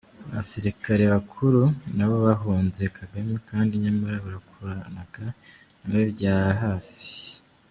Abasilikare bakuru nabo bahunze Kagame, kandi nyamara barakoranaga na we bya hafi !